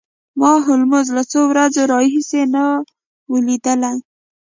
ما هولمز له څو ورځو راهیسې نه و لیدلی